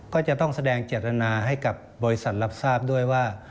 ก็จะต้องแสดงเจตนาให้กับบริษัทรับทราบด้วยว่า